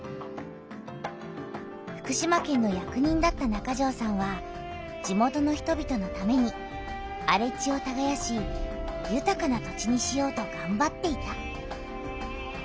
福島県の役人だった中條さんは地元の人びとのためにあれ地をたがやしゆたかな土地にしようとがんばっていた。